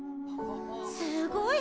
すごい！